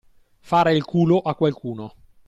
Fare il culo a qualcuno.